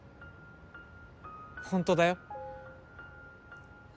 ホントだよ。